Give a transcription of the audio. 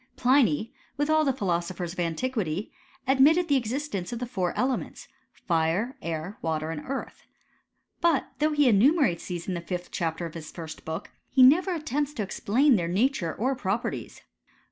Pliny, with all the philosophers of antiquity, admit * ted the existence of the four elements, fire, air, water, and earth ; but though he enumerates these in the fifth chapter of his first book, he never attempts to explain their nature or properties.